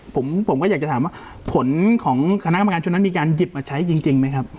ผมผมก็อยากจะถามว่าผลของคณะกรรมการชุดนั้นมีการหยิบมาใช้จริงไหมครับ